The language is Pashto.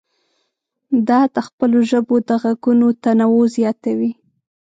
دا د خپلو ژبو د غږونو تنوع زیاتوي.